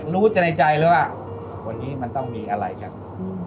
รู้ใจในใจแล้วว่าวันนี้มันต้องมีอะไรครับอืม